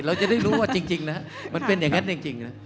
เราจะได้รู้ว่าจริงนะมันเป็นอย่างนั้นจริงนะ